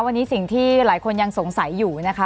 วันนี้สิ่งที่หลายคนยังสงสัยอยู่นะคะ